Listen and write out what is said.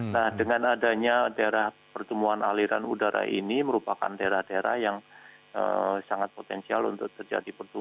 nah dengan adanya daerah pertumbuhan aliran udara ini merupakan daerah daerah yang sangat potensial untuk terjadi pertumbuhan